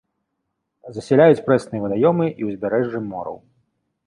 Засяляюць прэсныя вадаёмы і ўзбярэжжы мораў.